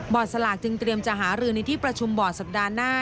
สลากจึงเตรียมจะหารือในที่ประชุมบ่อสัปดาห์หน้า